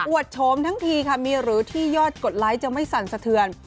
โฉมทั้งทีค่ะมีหรือที่ยอดกดไลค์จะไม่สั่นสะเทือน